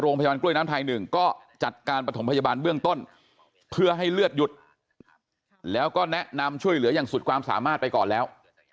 โรงพยาบาลกล้วยน้ำไทยหนึ่งก็จัดการประถมพยาบาลเบื้องต้นเพื่อให้เลือดหยุดแล้วก็แนะนำช่วยเหลืออย่างสุดความสามารถไปก่อนแล้ว